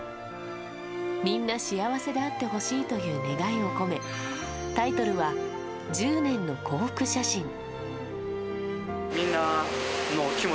みんな幸せであってほしいという願いを込めタイトルは「１０年の幸福写真」。